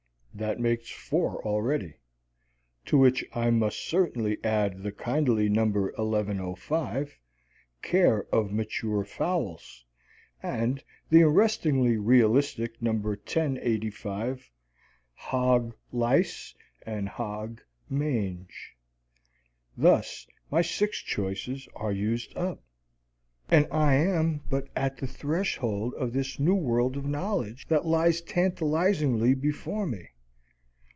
That makes four already; to which I must certainly add the kindly No. 1105, "Care of Mature Fowls," and the arrestingly realistic No. 1085, "Hog Lice and Hog Mange." Thus my six choices are used up, and I am but at the threshold of this new world of knowledge that lies tantalizingly before me.